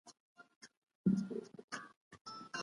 اورېدل تر لیکلو د بوختو کسانو لپاره ښه دي.